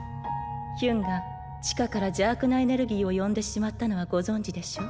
ヒュンが地下から邪悪なエネルギーを呼んでしまったのはご存じでしょう？